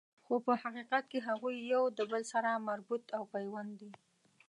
خو په حقیقت کی هغوی یو د بل سره مربوط او پیوند دي